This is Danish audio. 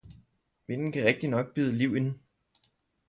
Vinden kan rigtignok bide liv i n